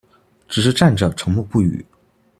只是站着沉默不语